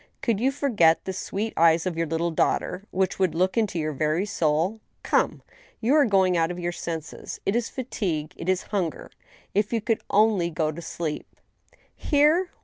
Could you forget the sweet eyes of your little daughter, which would look into your very soul ? Come, you are going out of your senses ; it is fatigue — ^it is hunger. ... If you could only go to sleep I "" Here